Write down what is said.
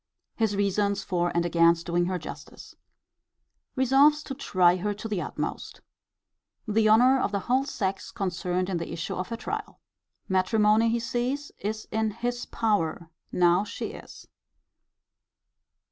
His reasons for and against doing her justice. Resolves to try her to the utmost. The honour of the whole sex concerned in the issue of her trial. Matrimony, he sees, is in his power, now she is.